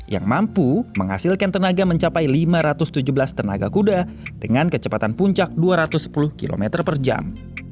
yang mampu menghasilkan tenaga mencapai lima ratus tujuh belas tenaga kuda dengan kecepatan puncak dua ratus sepuluh km per jam